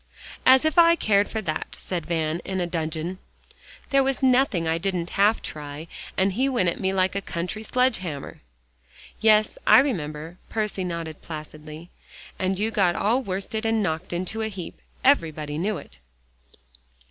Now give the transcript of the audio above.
"As if I cared for that," cried Van in a dudgeon, "that was nothing. I didn't half try; and he went at me like a country sledge hammer." "Yes, I remember," Percy nodded placidly, "and you got all worsted and knocked into a heap. Everybody knew it."